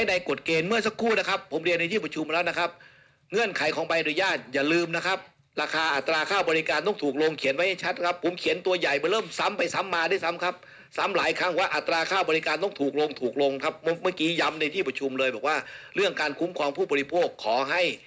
เนื่องจากว่าภายใต้ประกาศของการประมูลขึ้นทางกล่าว